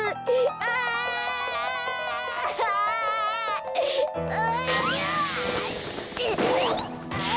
ああ。